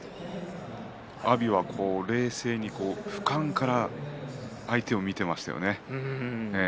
阿炎は冷静にふかんから相手を見ていましたよね。